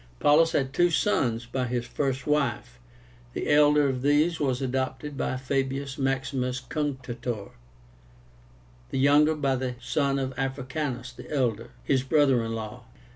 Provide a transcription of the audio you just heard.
Paullus had two sons by his first wife. The elder of these was adopted by Fabius Maximus Cunctátor, the younger by the son of Africánus the elder, his brother in law.